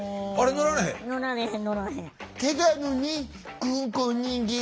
乗られへん乗られへん。